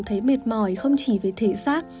cảm thấy mệt mỏi không chỉ về thể xác